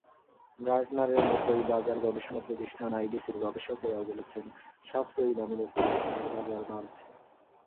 গার্টনারের মতোই বাজার গবেষণা প্রতিষ্ঠান আইডিসির গবেষকেরাও বলছেন, সাশ্রয়ী দামের স্মার্টফোনের বাজার বাড়ছে।